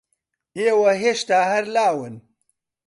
ئێوە ھێشتا ھەر لاون.